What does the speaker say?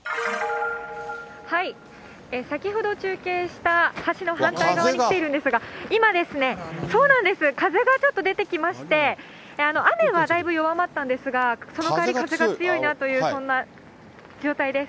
先ほど中継した橋の反対側に来ているんですが、今、風がちょっと出てきまして、雨はだいぶ弱まったんですが、その代わり風が強いなという、そんな状態です。